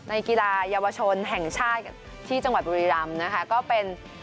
กีฬาเยาวชนแห่งชาติที่จังหวัดบุรีรำนะคะก็เป็น